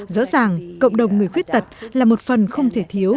rõ ràng cộng đồng người khuyết tật là một phần không thể thiếu